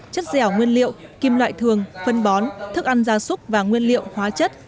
chất dẻo nguyên liệu kim loại thường phân bón thức ăn gia súc và nguyên liệu hóa chất